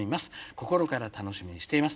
心から楽しみにしています。